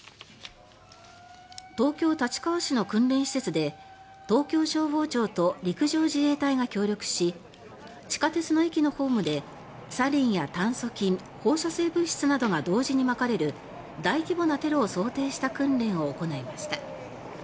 東京・立川市の訓練施設で東京消防庁と陸上自衛隊が協力し地下鉄の駅のホームでサリンや炭疽菌、放射性物質などが同時にまかれる大規模なテロを想定した訓練を行いました。